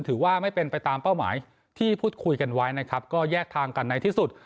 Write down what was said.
ถือว่าไม่เป็นไปตามเป้าหมายที่พูดคุยกันไว้นะครับก็แยกทางกันในที่สุด